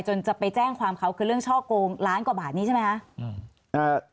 จะไปแจ้งความเขาคือเรื่องช่อโกงล้านกว่าบาทนี้ใช่ไหมคะ